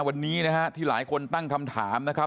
วันนี้นะฮะที่หลายคนตั้งคำถามนะครับ